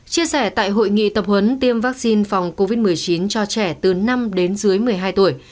chia sẻ tại hội nghị tập huấn tiêm vaccine phòng covid một mươi chín cho trẻ từ năm đến dưới một mươi hai tuổi